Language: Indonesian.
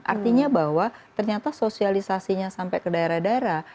artinya bahwa ternyata sosialisasinya sampai ke daerah daerah